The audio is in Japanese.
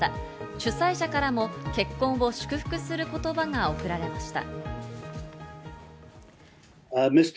主催者からも結婚を祝福する言葉がおくられました。